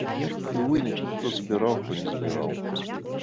І ў выніку хто забіраў, хто не забіраў.